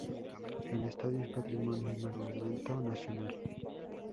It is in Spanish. El estadio es Patrimonio y Monumento Nacional.